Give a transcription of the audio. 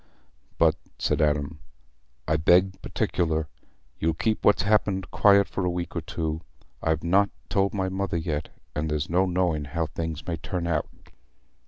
"But," said Adam, "I beg particular, you'll keep what's happened quiet for a week or two. I've not told my mother yet, and there's no knowing how things may turn out."